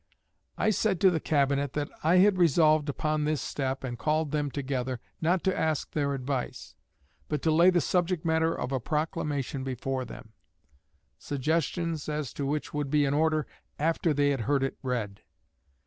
I said to the Cabinet that I had resolved upon this step, and had called them together, not to ask their advice, but to lay the subject matter of a proclamation before them; suggestions as to which would be in order, after they had heard it read.